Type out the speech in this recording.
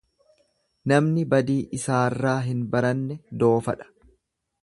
Namni badii isaarraa hin baranne doofadha.